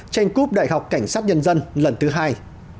tranh cúp đại học cảnh sát nhân dân lần thứ hai